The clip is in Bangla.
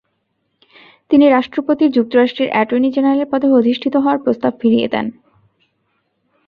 তিনি রাষ্ট্রপতির যুক্তরাষ্ট্রের অ্যাটর্নি জেনারেলের পদে অধিষ্ঠিত হওয়ার প্রস্তাব ফিরিয়ে দেন।